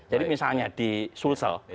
jadi misalnya di sulsel